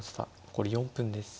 残り４分です。